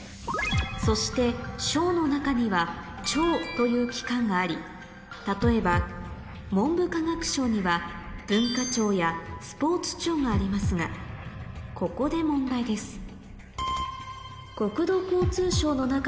そして省の中には庁という機関があり例えば文部科学省には文化庁やスポーツ庁がありますがここで問題です